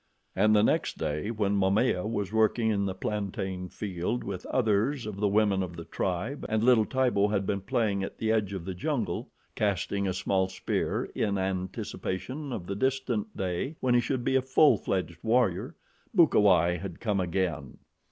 And the next day, when Momaya was working in the plantain field with others of the women of the tribe, and little Tibo had been playing at the edge of the jungle, casting a small spear in anticipation of the distant day when he should be a full fledged warrior, Bukawai had come again.